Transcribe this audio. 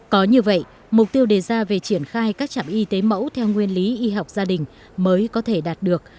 có như vậy mục tiêu đề ra về triển khai các trạm y tế mẫu theo nguyên lý y học gia đình mới có thể đạt được